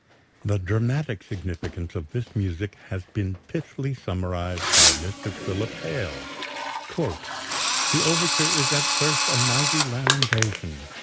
The dramatic significance of this music has been pithily summarized by Mr. Philip Hale: "The overture is at first a mighty lamentation.